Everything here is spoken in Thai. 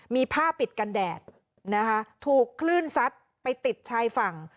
มีผ้าปิดกันแดดนะคะถูกคลื่นซัดไปติดชายฝั่ง